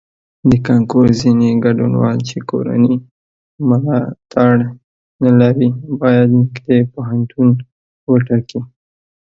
د کانکور ځینې ګډونوال چې کورنی ملاتړ نه لري باید نږدې پوهنتون وټاکي.